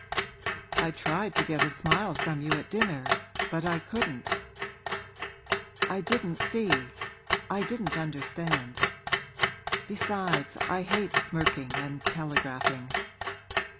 'I tried to get a smile from you at dinner but I couldn't.' 'I didn't see I didn't understand. Besides, I hate smirking and telegraphing.